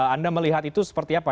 anda melihat itu seperti apa